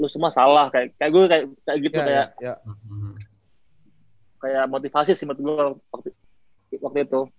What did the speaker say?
semua salah kayak gue kayak gitu kayak motivasi sih menurut gue waktu itu